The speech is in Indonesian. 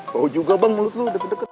bau juga bang mulut lu